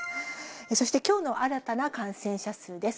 そしてきょうの新たな感染者数です。